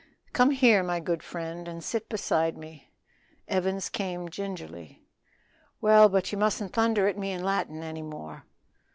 "Come here, my good friend, and sit beside me." Evans came gingerly. "Well, but ye mustn't thunder at me in Latin any more."